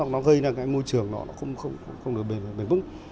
nó gây ra môi trường không được bền vững